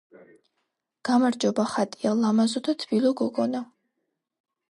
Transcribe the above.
გამარჯობა, ხატია, ლამაზო და თბილო გოგონა.